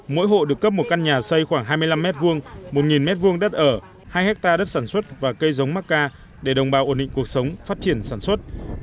mỗi hộ được cấp một căn nhà xây khoảng hai mươi năm m hai một m hai đất ở hai hectare đất sản xuất và cây giống mắc ca để đồng bào ổn định cuộc sống phát triển sản xuất